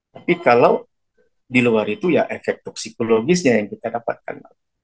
tapi kalau di luar itu ya efek toksikologisnya yang kita dapatkan